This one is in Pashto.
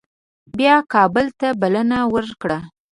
بیا کابل ته بلنه ورکړه.